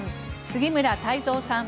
杉村太蔵さん